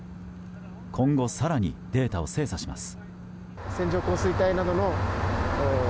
今後、更にデータを精査します。